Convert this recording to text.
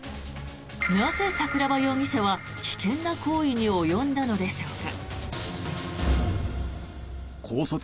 なぜ、桜庭容疑者は危険な行為に及んだのでしょうか。